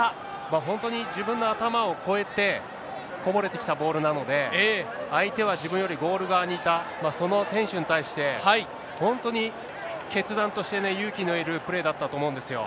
本当に自分の頭を越えて、こぼれてきたボールなので、相手は自分よりゴール側にいた、その選手に対して、本当に決断として、勇気のいるプレーだったと思うんですよ。